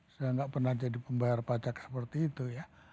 saya nggak pernah jadi pembayar pajak seperti itu ya